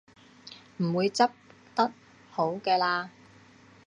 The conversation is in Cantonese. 唔會執得好嘅喇